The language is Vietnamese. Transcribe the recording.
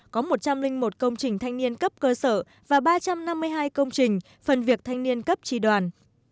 có một trăm linh một công trình thanh niên cấp cơ sở và ba trăm năm mươi hai công trình phần việc thanh niên cấp tri đoàn